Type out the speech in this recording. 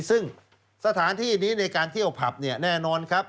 ซึ่งสถานที่นี้ในการเที่ยวผับเนี่ยแน่นอนครับ